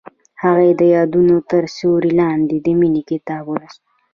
هغې د یادونه تر سیوري لاندې د مینې کتاب ولوست.